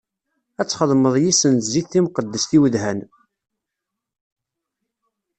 Ad txedmeḍ yis-sen zzit timqeddest i udhan.